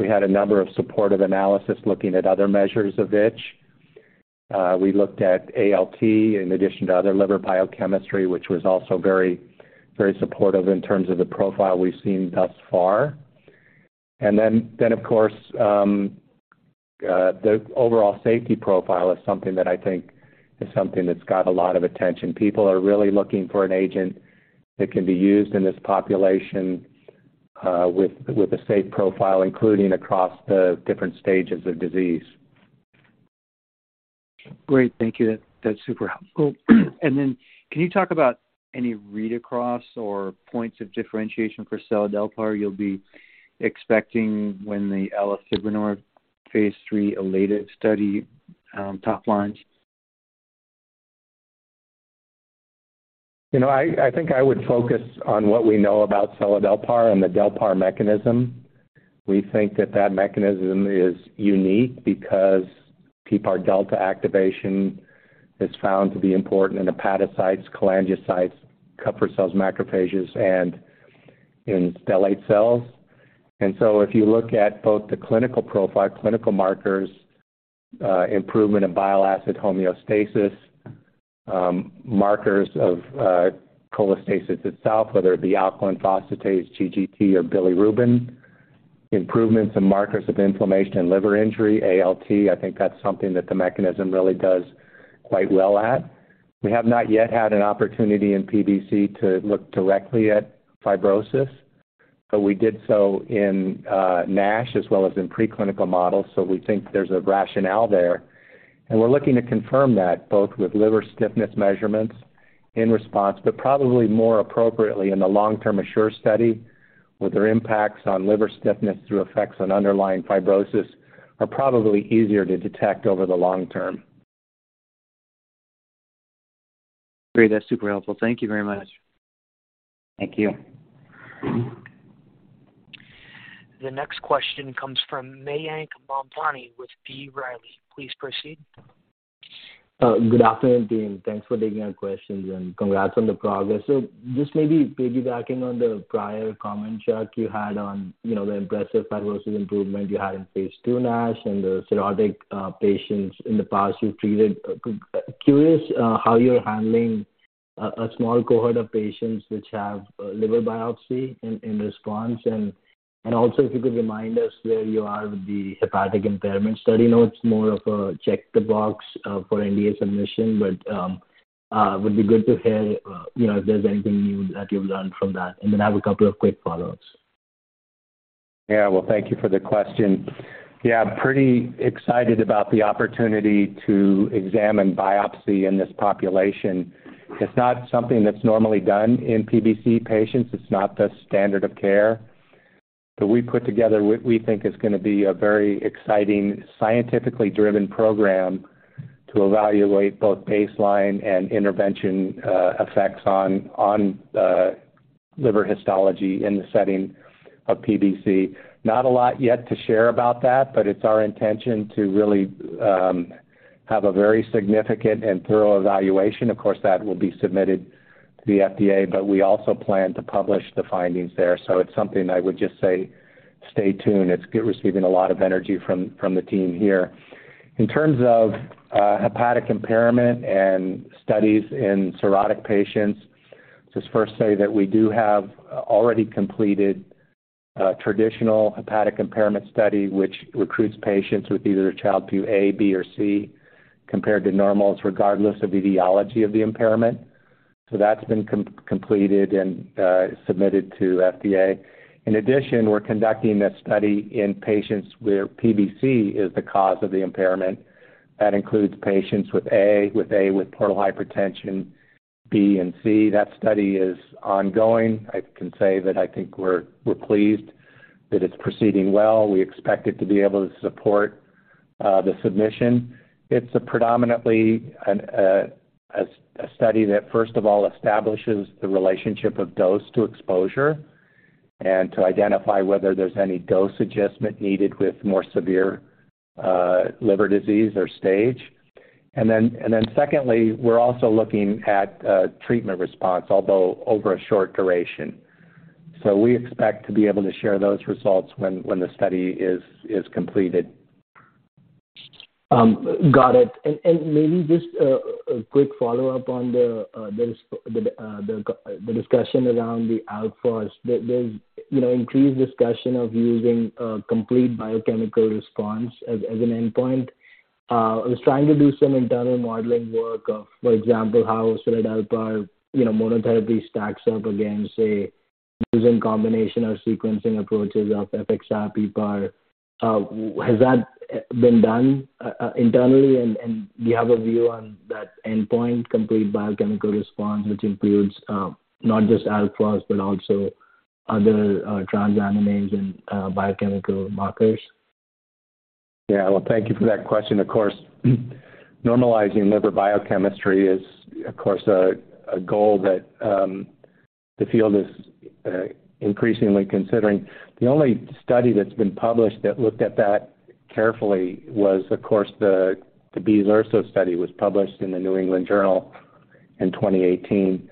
We had a number of supportive analysis looking at other measures of itch. We looked at ALT in addition to other liver biochemistry, which was also very, very supportive in terms of the profile we've seen thus far. Then, of course, the overall safety profile is something that I think is something that's got a lot of attention. People are really looking for an agent that can be used in this population, with a safe profile, including across the different stages of disease. Great. Thank you. That's super helpful. Can you talk about any read-across or points of differentiation for seladelpar you'll be expecting when the elafibranor phase III ELATIVE study top lines? You know, I think I would focus on what we know about seladelpar and the seladelpar mechanism. We think that that mechanism is unique because PPAR delta activation is found to be important in hepatocytes, cholangiocytes, Kupffer cells, macrophages, and in stellate cells. If you look at both the clinical profile, clinical markers, improvement in bile acid homeostasis, markers of cholestasis itself, whether it be alkaline phosphatase, GGT, or bilirubin, improvements in markers of inflammation and liver injury, ALT, I think that's something that the mechanism really does quite well at. We have not yet had an opportunity in PBC to look directly at fibrosis, but we did so in NASH as well as in preclinical models, so we think there's a rationale there. We're looking to confirm that both with liver stiffness measurements in response, but probably more appropriately in the long-term ASSURE study, where their impacts on liver stiffness through effects on underlying fibrosis are probably easier to detect over the long term. Great. That's super helpful. Thank you very much. Thank you. The next question comes from Mayank Mamtani with B. Riley. Please proceed. Good afternoon, team. Thanks for taking our questions, and congrats on the progress. Just maybe piggybacking on the prior comment, Chuck, you had on, you know, the impressive fibrosis improvement you had in phase II NASH and the cirrhotic patients in the past you've treated. Curious how you're handling a small cohort of patients which have liver biopsy in response. Also if you could remind us where you are with the hepatic impairment study. I know it's more of a check the box for NDA submission, but would be good to hear, you know, if there's anything new that you've learned from that. Then I have a couple of quick follow-ups. Well, thank you for the question. I'm pretty excited about the opportunity to examine biopsy in this population. It's not something that's normally done in PBC patients. It's not the standard of care. We put together what we think is gonna be a very exciting, scientifically driven program to evaluate both baseline and intervention, effects on liver histology in the setting of PBC. Not a lot yet to share about that, but it's our intention to really have a very significant and thorough evaluation. Of course, that will be submitted to the FDA, but we also plan to publish the findings there. It's something I would just say stay tuned. It's receiving a lot of energy from the team here. In terms of hepatic impairment and studies in cirrhotic patients, this first study that we do have already completed a traditional hepatic impairment study, which recruits patients with either Child-Pugh A, B, or C compared to normals, regardless of the etiology of the impairment. That's been completed and submitted to FDA. In addition, we're conducting a study in patients where PBC is the cause of the impairment. That includes patients with A with portal hypertension, B, and C. That study is ongoing. I can say that I think we're pleased that it's proceeding well. We expect it to be able to support the submission. It's predominantly a study that first of all establishes the relationship of dose to exposure and to identify whether there's any dose adjustment needed with more severe liver disease or stage. Secondly, we're also looking at, treatment response, although over a short duration. We expect to be able to share those results when the study is completed. Got it. Maybe just a quick follow-up on the discussion around the Alk Phos. There's, you know, increased discussion of using a complete biochemical response as an endpoint. I was trying to do some internal modeling work of, for example, how seladelpar, you know, monotherapy stacks up against, say using combination or sequencing approaches of FXR, PPAR. Has that been done internally and do you have a view on that endpoint, complete biochemical response, which includes not just Alk Phos, but also other transaminases and biochemical markers? Yeah. Well, thank you for that question. Of course, normalizing liver biochemistry is, of course, a goal that the field is increasingly considering. The only study that's been published that looked at that carefully was, of course, the BEZURSO study was published in the New England Journal in 2018.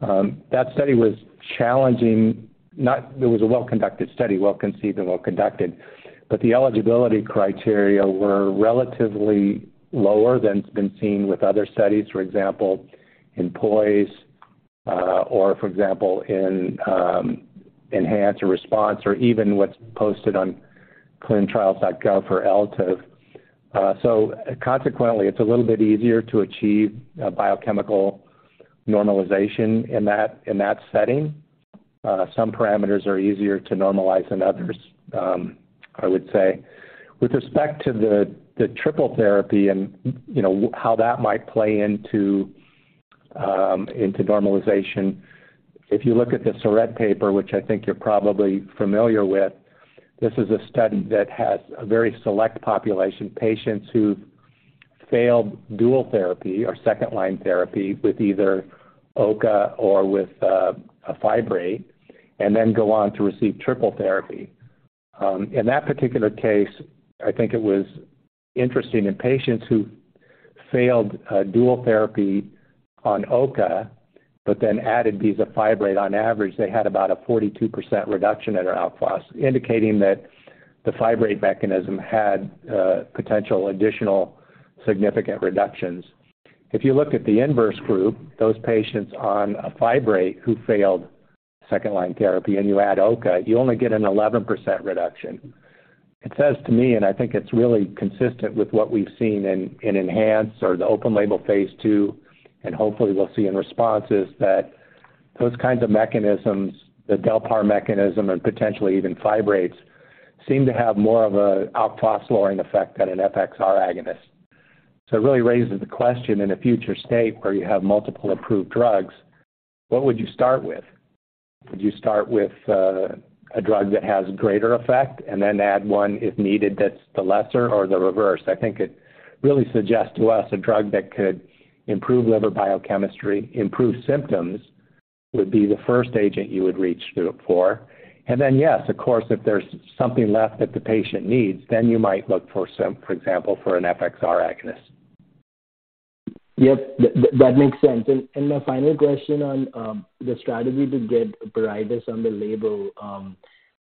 That study was challenging. It was a well-conducted study, well-conceived and well-conducted, but the eligibility criteria were relatively lower than has been seen with other studies. For example, in POISE, or for example, in ENHANCE or RESPONSE or even what's posted on ClinicalTrials.gov for ELATIVE. Consequently, it's a little bit easier to achieve a biochemical normalization in that setting. Some parameters are easier to normalize than others, I would say. With respect to the triple therapy and, you know, how that might play into normalization, if you look at the Soret paper, which I think you're probably familiar with, this is a study that has a very select population. Patients who failed dual therapy or second-line therapy with either OCA or with a fibrate, and then go on to receive triple therapy. In that particular case, I think it was interesting in patients who failed dual therapy on OCA, but then added bezafibrate, on average, they had about a 42% reduction in their Alk Phos, indicating that the fibrate mechanism had potential additional significant reductions. If you look at the inverse group, those patients on a fibrate who failed second line therapy and you add OCA, you only get an 11% reduction. It says to me, I think it's really consistent with what we've seen in ENHANCE or the open label phase II, and hopefully we'll see in RESPONSE, that those kinds of mechanisms, the delpar mechanism and potentially even fibrates, seem to have more of an Alk Phos lowering effect than an FXR agonist. It really raises the question in a future state where you have multiple approved drugs, what would you start with? Would you start with a drug that has greater effect and then add one if needed, that's the lesser or the reverse? I think it really suggests to us a drug that could improve liver biochemistry, improve symptoms, would be the first agent you would reach through for. Then, yes, of course, if there's something left that the patient needs, then you might look for some, for example, for an FXR agonist. Yep. That makes sense. My final question on the strategy to get pruritus on the label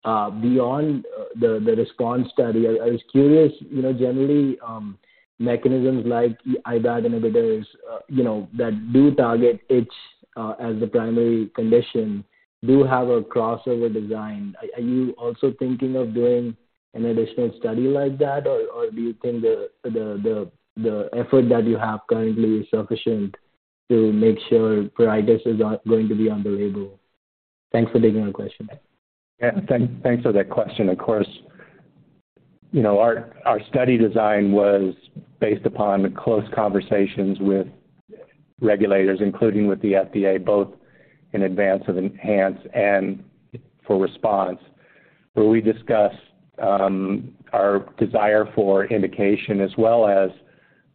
beyond the RESPONSE study, I was curious, you know, generally, mechanisms like the IBAT inhibitors, you know, that do target itch as the primary condition do have a crossover design. Are you also thinking of doing an additional study like that, or do you think the effort that you have currently is sufficient to make sure pruritus is going to be on the label? Thanks for taking my question. Yeah. Thanks for that question. Of course, you know, our study design was based upon close conversations with regulators, including with the FDA, both in advance of ENHANCE and for RESPONSE, where we discussed our desire for indication as well as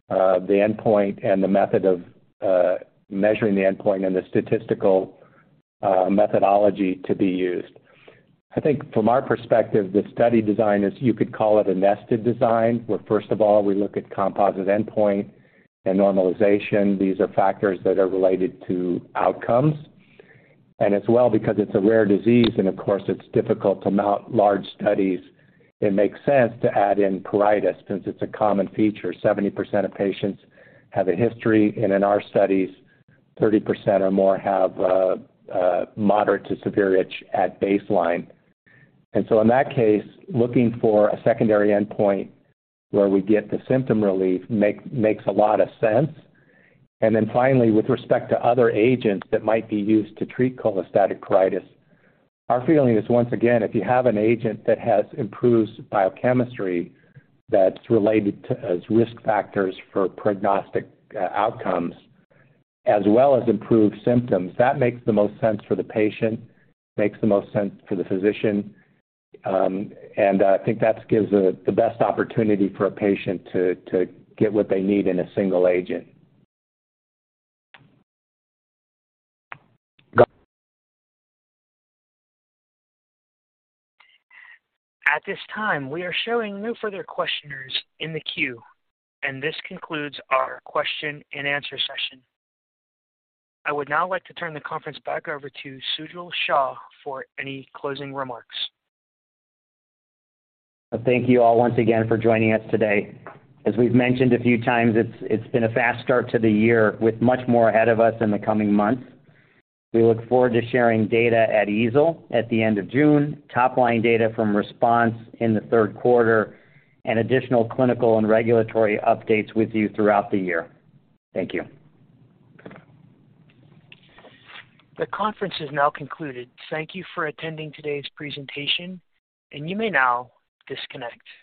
the endpoint and the method of measuring the endpoint and the statistical methodology to be used. I think from our perspective, the study design is you could call it a nested design, where first of all, we look at composite endpoint and normalization. These are factors that are related to outcomes. As well, because it's a rare disease and of course it's difficult to mount large studies, it makes sense to add in pruritus since it's a common feature. 70% of patients have a history, in our studies, 30% or more have moderate to severe itch at baseline. In that case, looking for a secondary endpoint where we get the symptom relief makes a lot of sense. Finally, with respect to other agents that might be used to treat cholestatic pruritus, our feeling is, once again, if you have an agent that has improves biochemistry that's related to as risk factors for prognostic outcomes, as well as improved symptoms, that makes the most sense for the patient, makes the most sense for the physician. I think that gives the best opportunity for a patient to get what they need in a single agent. Got it. At this time, we are showing no further questioners in the queue, and this concludes our question-and-answer session. I would now like to turn the conference back over to Sujal Shah for any closing remarks. Thank you all once again for joining us today. As we've mentioned a few times, it's been a fast start to the year with much more ahead of us in the coming months. We look forward to sharing data at EASL at the end of June, top line data from RESPONSE in the third quarter, and additional clinical and regulatory updates with you throughout the year. Thank you. The conference has now concluded. Thank you for attending today's presentation, and you may now disconnect.